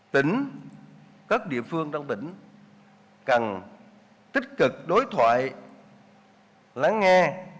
tỉnh các địa phương trong tỉnh cần tích cực đối thoại lắng nghe